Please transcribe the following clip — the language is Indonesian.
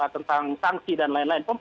tentang sanksi dan lain lain